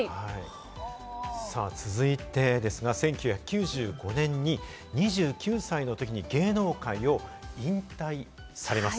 続いてですが、１９９５年に２９歳の時に芸能界を引退されます。